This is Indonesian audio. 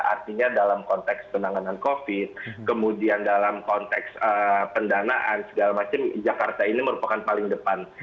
artinya dalam konteks penanganan covid kemudian dalam konteks pendanaan segala macam jakarta ini merupakan paling depan